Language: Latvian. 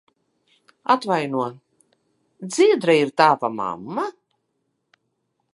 Atvaino, Dzidra ir tava mamma?